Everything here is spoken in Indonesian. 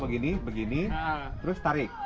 begini begini terus tarik